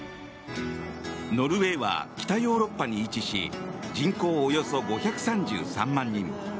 ノルウェーは北ヨーロッパに位置し人口およそ５３３万人。